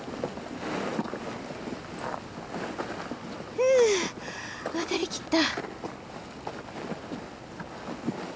ふう渡りきった！